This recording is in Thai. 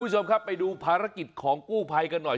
คุณผู้ชมครับไปดูภารกิจของกู้ภัยกันหน่อย